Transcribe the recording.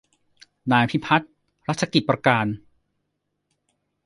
นายพิพัฒน์ รัชกิจประการ